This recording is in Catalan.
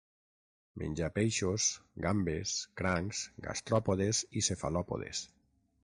Menja peixos, gambes, crancs, gastròpodes i cefalòpodes.